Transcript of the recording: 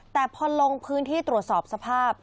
แต่พอลงพื้นที่ตรวจสอบสภาพ